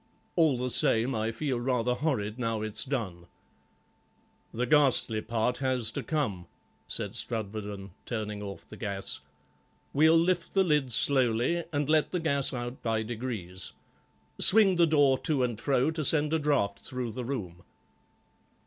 All the same I feel rather horrid now it's done." "The ghastly part has to come," said Strudwarden, turning off the gas. "We'll lift the lid slowly, and let the gas out by degrees. Swing the door to and fro to send a draught through the room."